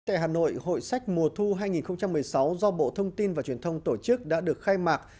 tại hà nội hội sách mùa thu hai nghìn một mươi sáu do bộ thông tin và truyền thông tổ chức đã được khai mạc